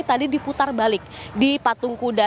tadi diputar balik di patung kuda